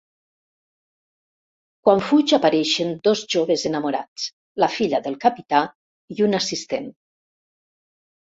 Quan fuig apareixen dos joves enamorats: la filla del capità i un assistent.